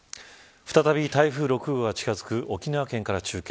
再び台風６号が近づく沖縄県から中継。